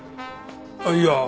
あっいや。